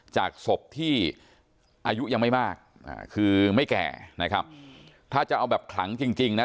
จากศพที่อายุยังไม่มากคือไม่แก่นะครับถ้าจะเอาแบบขลังจริงจริงนะ